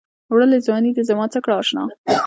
وړلې ځــواني دې زمـا څه کړه اشـنا